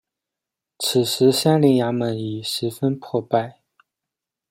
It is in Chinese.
此时三陵衙门已十分破败。